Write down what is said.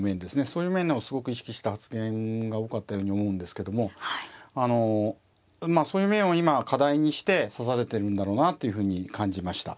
そういう面をすごく意識した発言が多かったように思うんですけどもそういう面を今は課題にして指されてるんだろうなというふうに感じました。